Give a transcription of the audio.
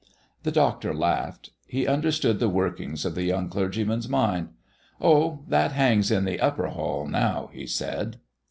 The doctor laughed. He understood the workings of the young clergyman's mind. "Oh, that hangs in the upper hall now," he said.